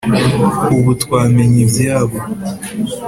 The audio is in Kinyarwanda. ubu twamenye ibyayo